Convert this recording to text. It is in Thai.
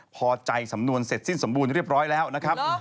พอใจสำนวนเสร็จสิ้นสมบูรณเรียบร้อยแล้วนะครับ